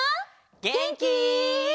げんき？